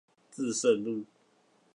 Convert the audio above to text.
至聖路